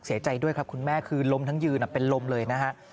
เสียใจด้วยครับคุณแม่คือล้มทั้งยืนเป็นลมเลยนะฮะ